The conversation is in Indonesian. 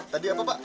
tadi apa pak